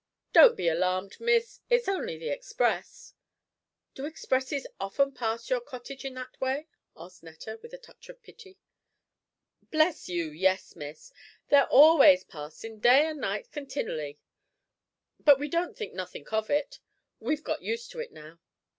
"Don't be alarmed, Miss, it's only the express." "Do expresses often pass your cottage in that way?" asked Netta, with a touch of pity. "Bless you, yes, Miss; they're always passin' day and night continooly; but we don't think nothink of it. We've got used to it now."